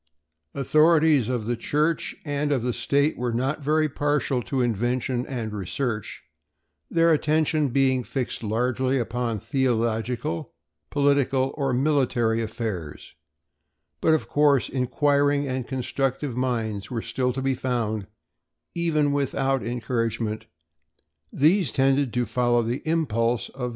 Authorities of the Church and of the state were not very partial to invention and research, their attention being fixed largely upon theological, political, or military affairs; but, of course, inquiring and constructive minds were still to be found; even without encouragement these tended to follow the impulse of their natures.